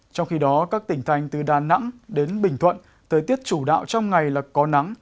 trong khi đó các tỉnh thành từ đà nẵng đến bình thuận thời tiết chủ đạo trong ngày là có nắng